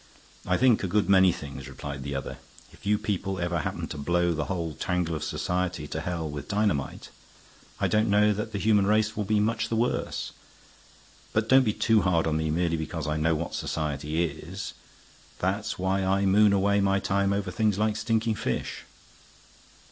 "I think a good many things," replied the other. "If you people ever happen to blow the whole tangle of society to hell with dynamite, I don't know that the human race will be much the worse. But don't be too hard on me merely because I know what society is. That's why I moon away my time over things like stinking fish."